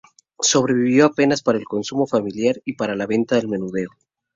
Sobrevivió apenas para el consumo familiar y para la venta al menudeo.